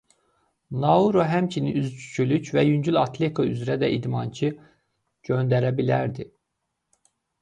Nauru həmçinin üzgüçülük və yüngül atletika üzrə də idmançı göndərə bilərdi.